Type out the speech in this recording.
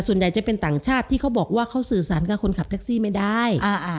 ส่วนใหญ่จะเป็นต่างชาติที่เขาบอกว่าเขาสื่อสารกับคนขับแท็กซี่ไม่ได้